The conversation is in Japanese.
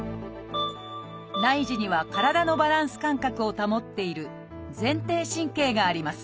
内耳には体のバランス感覚を保っている「前庭神経」があります。